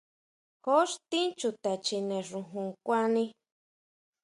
Jon xtín Chuta chjine xojon kuani.